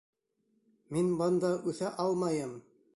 Мин бында үҫә алмайым!